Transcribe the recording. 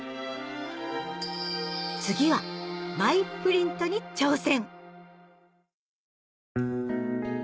次はマイプリントに挑戦